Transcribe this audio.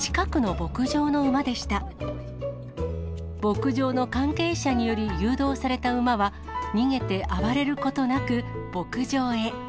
牧場の関係者により誘導された馬は、逃げて暴れることなく、牧場へ。